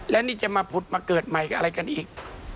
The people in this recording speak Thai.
และนี่จะมาผุดมาเกิดใหม่อะไรกันอีก